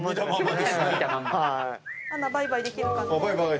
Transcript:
バイバイできるかな？